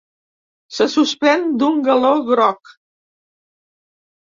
Se suspèn d'un galó groc.